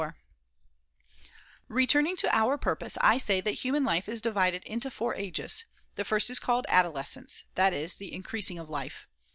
] Returning to our purpose, I say that human Adoles life is divided into four ages. The first is called cence adolescence, that is, the ' increasing ' of life.